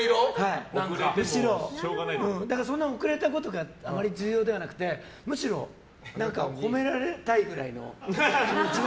遅れたことがあまり重要でなくてむしろ褒められたいくらいの気持ちが。